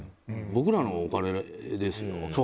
僕らのお金ですよ。